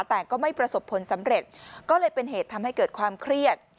แต่ก็ไม่ประสบผลสำเร็จก็เลยเป็นเหตุทำให้เกิดความเครียด